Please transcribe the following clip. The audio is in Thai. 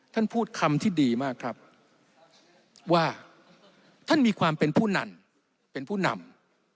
ท่านพูดคำที่ดีมากครับว่าท่านมีความเป็นผู้นำเป็นผู้นำ